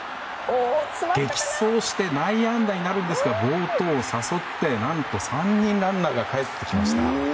激走して内野安打になるんですが暴投を誘って何と３人ランナーがかえってきました。